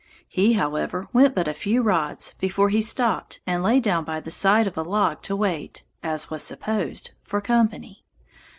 He, however, went but a few rods before he stopped and lay down by the side of a log to wait, (as was supposed,) for company.